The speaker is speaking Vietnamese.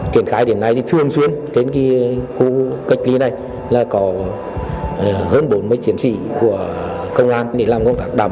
với sự và cuộc quyết liệt phòng chống dịch covid một mươi chín của các phòng chức năng công an hà tĩnh